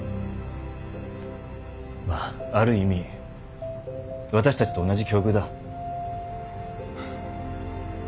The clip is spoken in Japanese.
まあある意味私たちと同じ境遇だ。